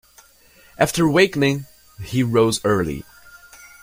After wakening, he rose early.